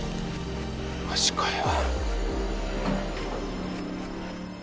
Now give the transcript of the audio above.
マジかよ。